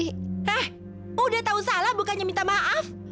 hah udah tahu salah bukannya minta maaf